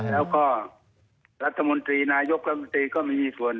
แล้วก็รัฐมนตรีนายกรัฐมนตรีก็ไม่มีส่วน